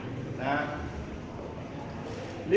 ตู้หาวลิ้นหลง